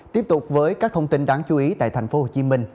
tiếp tục với các thông tin đáng chú ý tại tp hcm